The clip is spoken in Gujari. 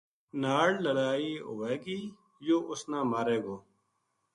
ناڑ لڑائی ہوے گی یوہ اُس نا مارے گو